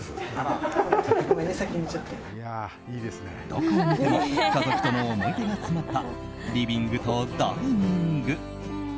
どこを見ても家族との思い出が詰まったリビングとダイニング。